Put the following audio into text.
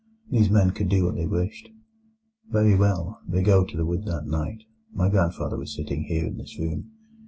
These men could do what they wished. "Very well, they go to the wood that night. My grandfather was sitting here in this room.